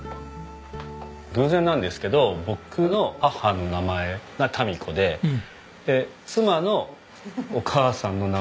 偶然なんですけど僕の母の名前がタミ子でで妻のお母さんの名前も。